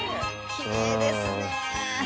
きれいですね！